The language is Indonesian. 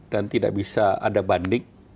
dan tidak bisa ada banding